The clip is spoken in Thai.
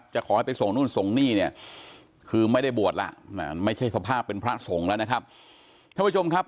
จะขอให้ไปส่งนู่นส่งนี่เนี่ยคือไม่ได้บวชแล้วไม่ใช่สภาพเป็นพระสงฆ์แล้วนะครับท่านผู้ชมครับ